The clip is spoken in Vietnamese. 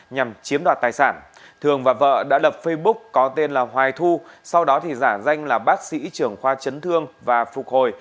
nhằm chiếm đoạt tài sản thường và vợ đã lập facebook có tên là hoài thu sau đó giả danh là bác sĩ trưởng khoa chấn thương và phục hồi